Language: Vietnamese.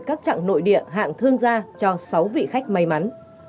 các trạng nội địa hạng thương gia cho sáu vị khách máy bay